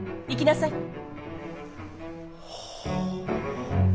行きなさい。